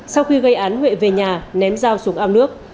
sau khi gây án huệ về nhà ném dao xuống ao nước